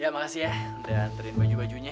ya makasih ya udah terin baju bajunya